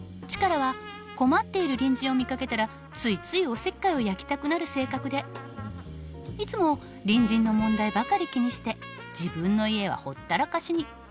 チカラは困っている隣人を見かけたらついついおせっかいを焼きたくなる性格でいつも隣人の問題ばかり気にして自分の家はほったらかしに。